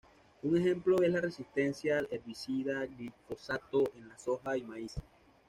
Un ejemplo es la resistencia al herbicida glifosato en la soja y maíz.